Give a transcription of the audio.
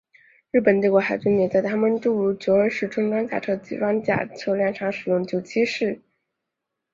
日本帝国海军也在他们诸如九二式重装甲车的装甲车辆上使用九七式。